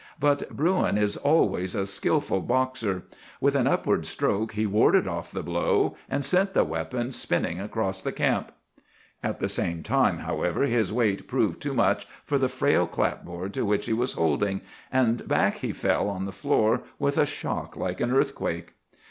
But Bruin is always a skilful boxer. With an upward stroke he warded off the blow, and sent the weapon spinning across the camp. At the same time, however, his weight proved too much for the frail clapboard to which he was holding, and back he fell on the floor with a shock like an earthquake.